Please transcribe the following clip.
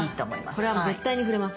これは絶対に触れます。